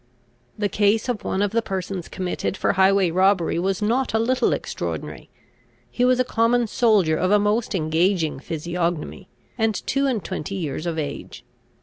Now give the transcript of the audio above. ] The case of one of the persons committed for highway robbery was not a little extraordinary. He was a common soldier of a most engaging physiognomy, and two and twenty years of age.